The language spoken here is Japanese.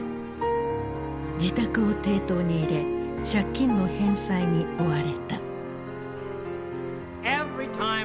自宅を抵当に入れ借金の返済に追われた。